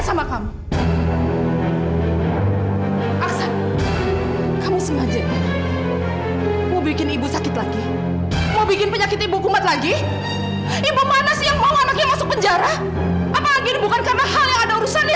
sampai jumpa di video selanjutnya